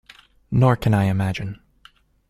Nor can I imagine.